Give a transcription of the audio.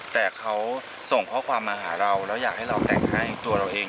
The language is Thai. แต่เขาส่งข้อความมาหาเราแล้วอยากให้เราแต่งให้ตัวเราเอง